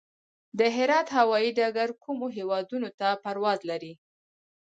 د هرات هوايي ډګر کومو هیوادونو ته پرواز لري؟